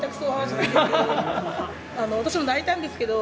私も泣いたんですけど。